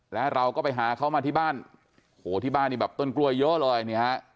แล้วเราก็ไปหาเขามาที่บ้านโหที่บ้านนี่แบบต้นกล้วยเยอะเลยนี่ฮะ